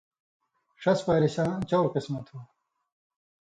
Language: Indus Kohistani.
ݜس وائرساں چؤر قِسمہ تھو۔